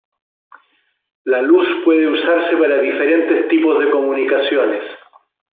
La luz puede usarse para diferentes tipos de comunicaciones.